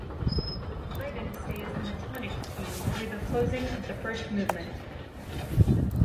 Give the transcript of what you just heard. Haydn stays in the tonic key through the closing of the first movement.